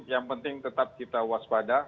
yang penting tetap kita waspada